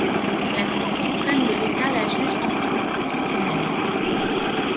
La Cour suprême de l'État la juge anticonstitutionnelle.